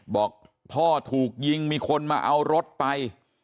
บอกพ่อถูกยิงมีคนมาเอารถไป